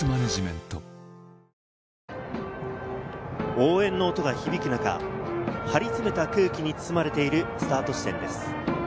応援の音が響く中、張りつめた空気に包まれているスタート地点です。